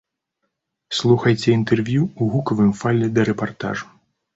Слухайце інтэрв'ю ў гукавым файле да рэпартажу.